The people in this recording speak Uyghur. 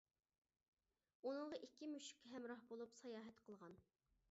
ئۇنىڭغا ئىككى مۈشۈك ھەمراھ بولۇپ ساياھەت قىلغان.